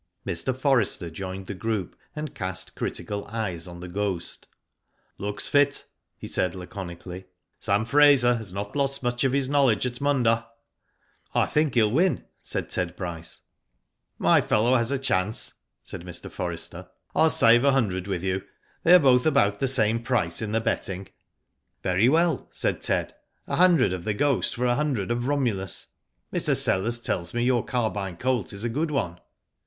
Mr. Forrester joined the group, and cast critical eyes on The Ghost. Looks fit," he said, laconically. "Sam Fraser has not lost much of his knowledge at Munda." '' I think he'll win," said Ted Bryce. "My fellow has a chance," said Mr. Forrester. " ril save a hundred with you, they are both about the same price in the betting.'* "Very well," said Ted. "A hundred of The Ghost for a hundred of Romulus. Mr. Sellers tells me your Carbine colt is a good one."